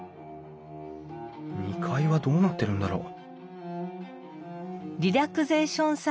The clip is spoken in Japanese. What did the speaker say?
２階はどうなってるんだろう？